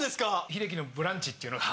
「秀樹のブランチ」っていうのが。